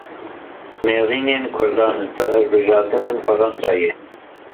Nêrînên Kurdan li ser hilbijartinên Fransayê.